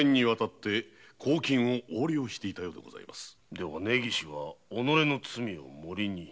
では根岸は己の罪を森に。